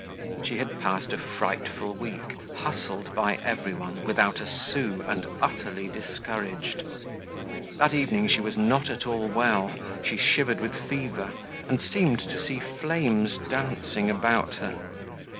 She had passed a frightful week, hustled by everyone, without a sou, and utterly discouraged. That evening she was not at all well, she shivered with fever, and seemed to see flames dancing about her.